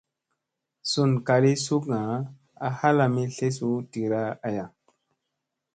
Sun kalii sukga a halami tlesu tira aya.